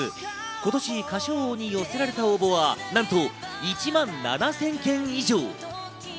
今年『歌唱王』に寄せられた応募はなんと１万７０００件以上。